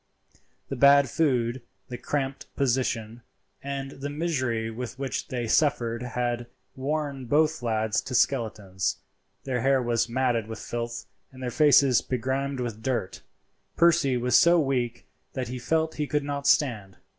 The bad food, the cramped position, and the misery which they suffered had worn both lads to skeletons. Their hair was matted with filth; their faces begrimed with dirt. Percy was so weak that he felt he could not stand.